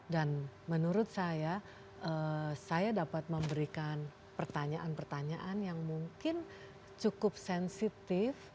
dan menurut saya saya dapat memberikan pertanyaan pertanyaan yang mungkin cukup sensitif